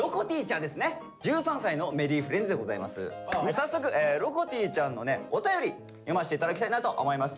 早速ろこてぃーちゃんのねお便り読ませて頂きたいなと思います。